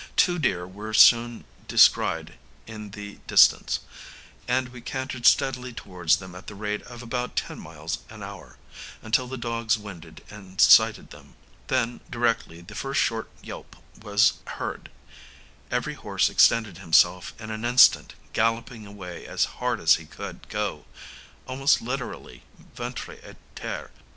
Two deer were soon descried in the distance, and we cantered steadily towards them at the rate of about ten miles an hour, until the dogs winded and sighted them. Then, directly the first short yelp was heard, every horse extended himself in an instant, galloping away as hard as he could go, almost literally ventre ├Ā terre.